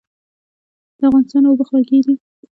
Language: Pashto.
د افغانستان اوبه خوږې دي